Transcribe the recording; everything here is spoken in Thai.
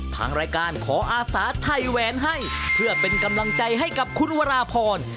ทางรายการขออาสาไทยแหวนให้เพื่อเป็นกำลังใจให้กับคุณวราพร